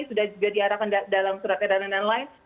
sudah juga diarahkan dalam surat edaran dan lain